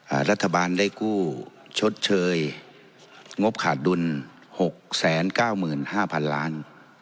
รัฐบาลได้กู้ชดเชยงบขาดดุลหกแสนเก้าหมื่นห้าพันล้าน